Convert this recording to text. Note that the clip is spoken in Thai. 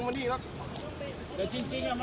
สวัสดีครับ